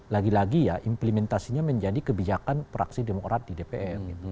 lagi lagi ya implementasinya menjadi kebijakan praksi demokrat di dpr